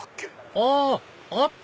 ああった！